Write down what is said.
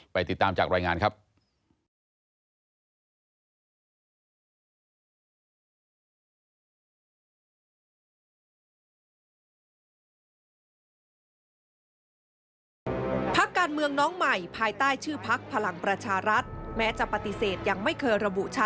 ติดตามจากรายงานครับ